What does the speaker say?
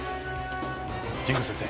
神宮先生